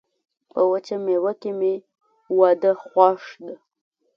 په وچه میوه کي مي واده خوښ ده.